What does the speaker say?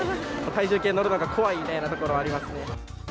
体重計乗るのが怖いみたいなところはありますね。